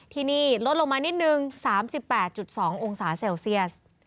ที่นี่ลดลงมานิดนึง๓๘๒องศาเซลเซียส